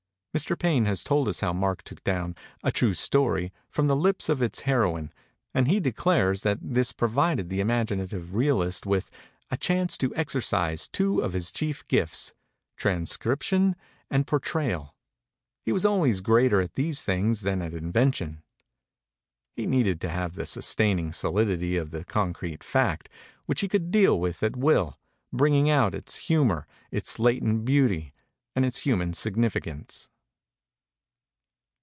Mr. Paine has told us how Mark took down *A True Story' from the lips of its heroine; and he de clares that this provided the imaginative realist with "a chance to exercise two of his chief gifts transcription and portrayal; he was always greater at these things than at invention." He needed to have the sustaining solidity of the concrete fact, which he could deal with at will, bringing out its humor, its latent beauty and its human significance.